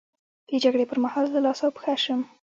د جګړې پر مهال زه لاس او پښه شم.